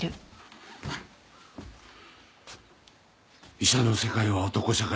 医者の世界は男社会。